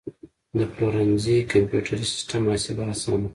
د پلورنځي کمپیوټري سیستم محاسبه اسانه کوي.